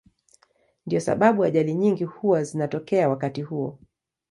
Ndiyo sababu ajali nyingi huwa zinatokea wakati huo.